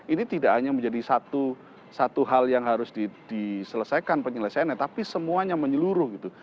ini tidak hanya menjadi satu hal yang harus diselesaikan penyelesaiannya tapi semuanya menyeluruh gitu